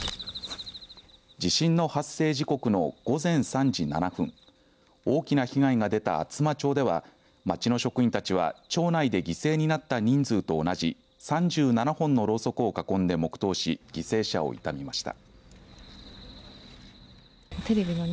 地震の発生時刻の午前３時７分大きな被害が出た厚真町では町の職員たちは町内で犠牲になった人数と同じ３７本のろうそくを囲んで黙とうし犠牲者を悼みました。